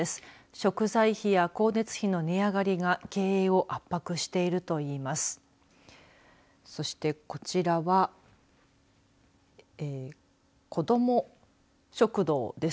食材費や光熱費の値上がりが経営を圧迫していると言います。